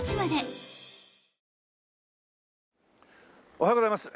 おはようございます。